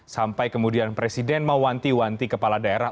sampai kemudian presiden mau wanti wanti kepala daerah